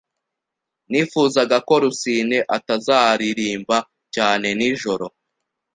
Nifuzaga ko Rusine atazaririmba cyane nijoro.